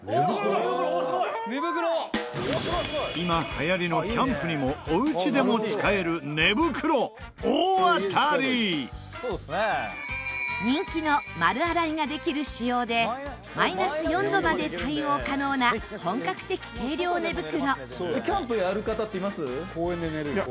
今流行りのキャンプにもお家でも使える人気の丸洗いができる仕様でマイナス４度まで対応可能な本格的軽量寝袋。